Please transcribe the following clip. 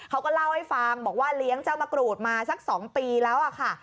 เขาก็เล่าให้ฟังบอกว่าเลี้ยงเจ้ามะกรูดมาสัก๒ปีแล้วค่ะ